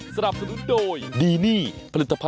สวัสดีค่ะ